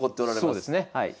そうですねはい。